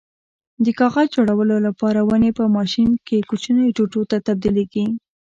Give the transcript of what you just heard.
د کاغذ جوړولو لپاره ونې په ماشین کې کوچنیو ټوټو ته تبدیلېږي.